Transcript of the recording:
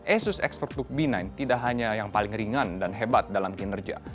asus asperbook b sembilan tidak hanya yang paling ringan dan hebat dalam kinerja